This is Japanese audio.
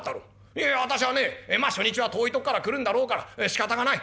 いやいや私はねまあ初日は遠いとこから来るんだろうからしかたがない。